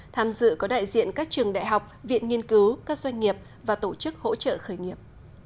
tham dự có đại diện các trường đại học viện nghiên cứu các doanh nghiệp và tổ chức hỗ trợ khởi nghiệp